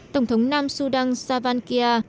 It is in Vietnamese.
tổng thống nam sudan savankia